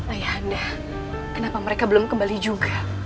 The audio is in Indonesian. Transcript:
ayah anda kenapa mereka belum kembali juga